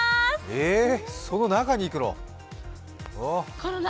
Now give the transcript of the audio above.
えー、その中に行くの？